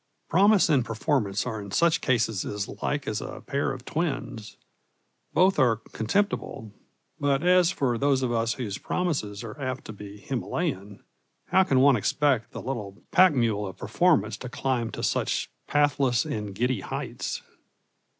Promise and performance are in such cases as like as a pair of twins; both are contemptible. But as for those of us whose promises are apt to be Himalayan, how can one expect the little pack mule of performance to climb to such pathless and giddy heights?